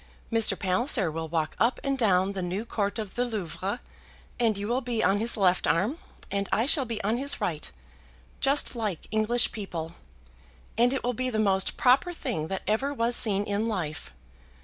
Mr. Palliser will walk up and down the new court of the Louvre, and you will be on his left arm, and I shall be on his right, just like English people, and it will be the most proper thing that ever was seen in life.